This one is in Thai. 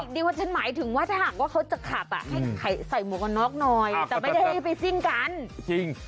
ดิวชะม่ายถึงว่าถ้าหากเขาจะขับให้ใส่หัวก็นอกน่อยแต่ไม่ได้ไปซิ่งกัน